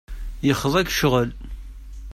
Yexḍa-k ccɣel.